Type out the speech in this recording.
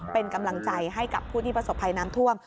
เป็นกำลังใจให้กับผู้ที่ประสบภัยน้ำท่วม